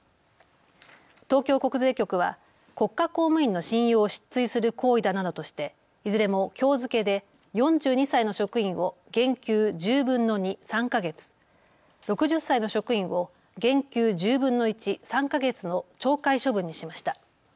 東京国税局は国家公務員の信用を失墜する行為だなどとしていずれもきょう付けで４２歳の職員を減給１０分の２、３か月、６０歳の職員を減給１０分の１、３か月の懲戒処分にしました。